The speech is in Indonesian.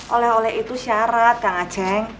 oleh oleh itu syarat kang aceh